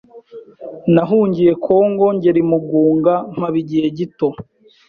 nahungiye Kongo ngera i Mugunga mpaba igihe gito,